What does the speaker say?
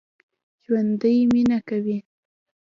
ژوندي مېنه کوي